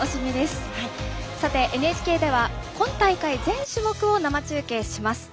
さて、ＮＨＫでは今大会全種目を生中継します。